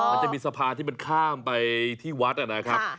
มันจะมีสะพานที่มันข้ามไปที่วัดนะครับ